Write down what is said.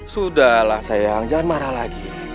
sudahlah sayang jangan marah lagi